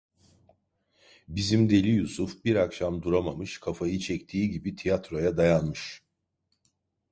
Bizim deli Yusuf bir akşam duramamış, kafayı çektiği gibi tiyatroya dayanmış.